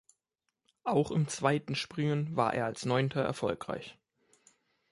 Auch im zweiten Springen war er als Neunter erfolgreich.